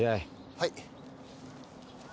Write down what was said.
はい。